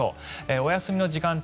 お休みの時間帯